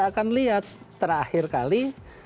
akan lihat terakhir kali